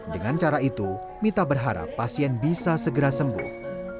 dengan cara itu mita berharap pasien bisa segera sembuh